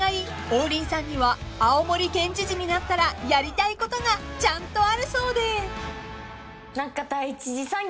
王林さんには青森県知事になったらやりたいことがちゃんとあるそうで］